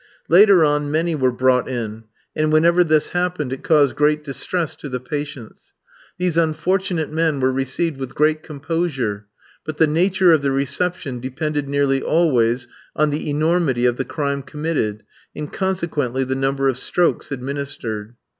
Later on many were brought in, and whenever this happened it caused great distress to the patients. These unfortunate men were received with grave composure, but the nature of the reception depended nearly always on the enormity of the crime committed, and, consequently, the number of strokes administered.